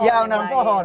ya menanam pohon